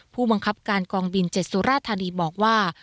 ผู้บังคับการกองบิน๗สุราธานีบอกว่า